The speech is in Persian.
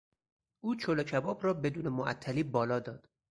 او چلوکباب را بدون معطلی بالا داد.